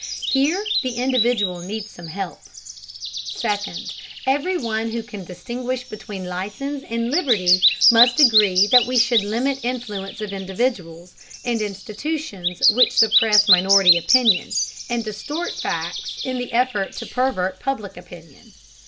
Here the individual needs some help. Second, everyone who can distinguish between license and liberty must agree that we should limit the influence of individuals and institutions which suppress minority opinion, and distort facts in the effort to pervert Public Opinion.